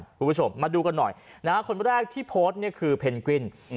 คุณผู้ชมมาดูกันหน่อยนะฮะคนแรกที่โพสต์เนี่ยคือเพนกวิน